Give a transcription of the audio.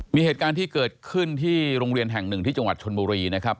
มีเหตุการณ์ที่เกิดขึ้นที่โรงเรียนแห่งหนึ่งที่จังหวัดชนบุรีนะครับ